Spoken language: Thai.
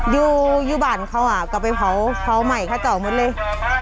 อยู่อยู่บ้านเขาอ่ะก็ไปเผาเผาใหม่ขาจ่อหมดเลย